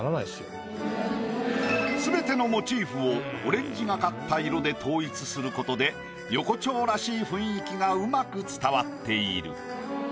全てのモチーフをオレンジがかった色で統一することで横丁らしい雰囲気がうまく伝わっている。